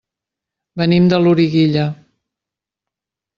Venim de Loriguilla.